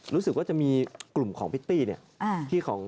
รู้สึกว่าจะมีกลุ่มของพิตตี้เนี่ย